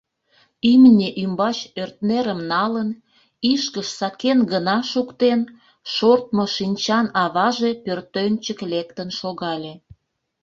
Имне ӱмбач ӧртнерым налын, ишкыш сакен гына шуктен, шортмо шинчан аваже пӧртӧнчык лектын шогале.